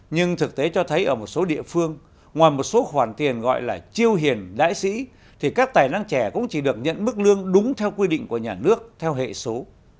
nhưng thực tế cho thấy ở một số địa phương ngoài một số khoản tiền gọi là chiêu hiền đại sĩ thì các tài năng trẻ cũng chỉ được nhận mức lương đúng theo quy định của nhà nước theo hệ số